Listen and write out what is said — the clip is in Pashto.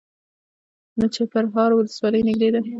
د چپرهار ولسوالۍ نږدې ده